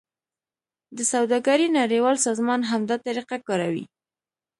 د سوداګرۍ نړیوال سازمان هم دا طریقه کاروي